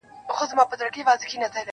د وخت په تېرېدو هر څه بدلېږي خو ياد نه,